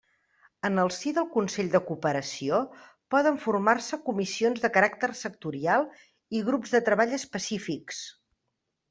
En el si del Consell de Cooperació poden formar-se comissions de caràcter sectorial i grups de treball específics.